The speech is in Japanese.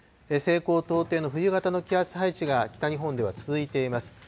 西高東低の冬型の気圧配置が北日本では続いています。